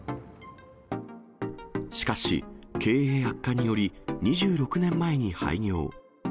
しかし、経営悪化により、２６年前に廃業。